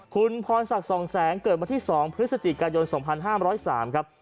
คุณพรศักดิ์สองแสงเกิดวันที่๒พฤศจิกายน๒๕๐๓ครับ